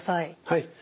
はい。